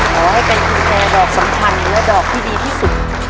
ขอให้เป็นกุญแจดอกสำคัญและดอกที่ดีที่สุด